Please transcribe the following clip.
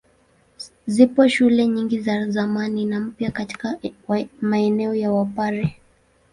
Zipo shule nyingi za zamani na mpya katika maeneo ya Wapare.